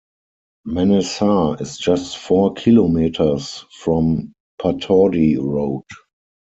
Manesar is just four kilometers from Pataudi Road.